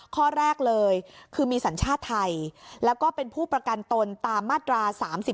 ข้อแรกเลยคือมีสัญชาติไทยแล้วก็เป็นผู้ประกันตนตามมาตรา๓๔